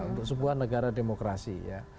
untuk sebuah negara demokrasi